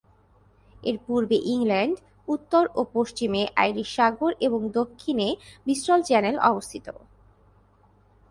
এর পূর্বে ইংল্যান্ড, উত্তর ও পশ্চিমে আইরিশ সাগর এবং দক্ষিণে ব্রিস্টল চ্যানেল অবস্থিত।